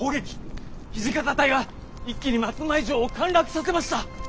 土方隊が一気に松前城を陥落させました。